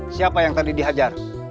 siapa yang tadi dihajar